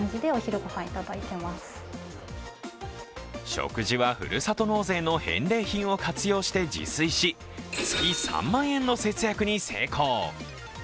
食事はふるさと納税の返礼品を活用して自炊し、月３万円の節約に成功。